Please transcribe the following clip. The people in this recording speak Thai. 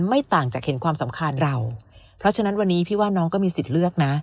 ไม่ต่างจากเห็นความสำคัญเราเพราะฉะนั้นวันนี้พี่ว่าน้องก็มีสิทธิ์เลือกนะ